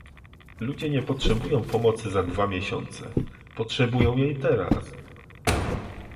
Ludzie nie potrzebują pomocy za dwa miesiące - potrzebują jej teraz